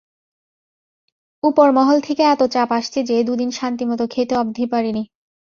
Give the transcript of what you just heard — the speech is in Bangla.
উপরমহল থেকে এত চাপ আসছে যে দুদিন শান্তিমতো খেতে অব্ধি পারিনি।